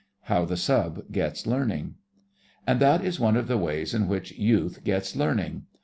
HOW THE SUB GETS LEARNING And that is one of the ways in which youth gets learning.